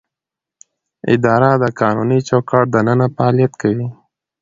اداره د قانوني چوکاټ دننه فعالیت کوي.